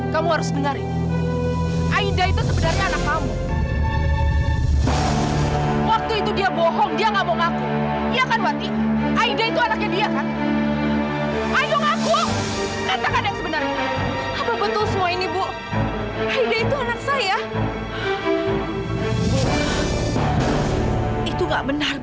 sampai jumpa di video selanjutnya